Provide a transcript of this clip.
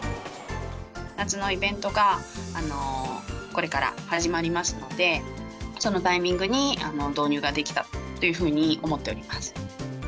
夏のイベントがこれから始まりますので、そのタイミングに導入ができたっていうふうに思っております。